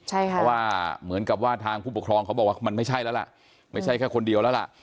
เพราะว่าเหมือนกับว่าทางผู้ปกครองเขาบอกว่ามันไม่ใช่แล้วล่ะไม่ใช่แค่คนเดียวแล้วล่ะ